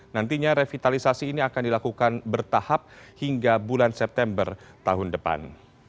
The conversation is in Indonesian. nantinya revitalisasi ini akan dilakukan bertahap hingga bulan september tahun depan